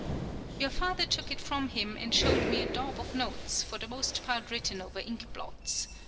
Your father took it from him and showed me a daub of notes, for the most part written over ink blots.